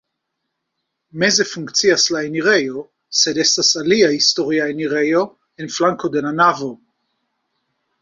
Meze funkcias la enirejo, sed estas alia historia enirejo en flanko de la navo.